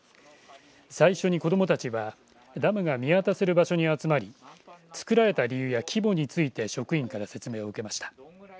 最初に子どもたちはダムが見渡せる場所に集まり造られた理由や規模について職員から説明を受けました。